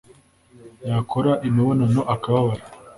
yakora imibonano akababara